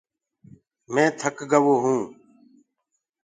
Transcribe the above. مي ٿڪ گو هون۔